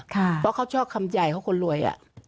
เพราะเขาชอบคำใหญ่ของคนรวย